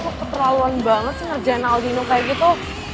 kok keterlaluan banget sih ngerjain aldino kayak gitu